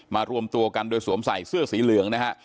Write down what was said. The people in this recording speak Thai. รวมตัวกันโดยสวมใส่เสื้อสีเหลืองนะฮะ